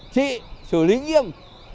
chị xử lý nghiêm